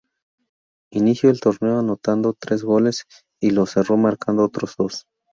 Inicio el torneo anotando tres goles y lo cerró marcando otros dos.